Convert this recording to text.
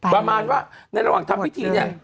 ประมาณในระหว่างทำพิธีนี้